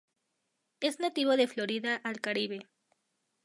Es nativo de Florida al Caribe.